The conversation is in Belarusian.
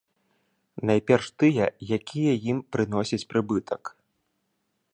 Найперш тыя, якія ім прыносяць прыбытак.